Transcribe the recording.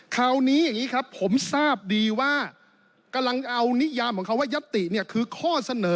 คราวนี้ผมทราบดีว่ากำลังเอานิยามว่ายัตติคือข้อเสนอ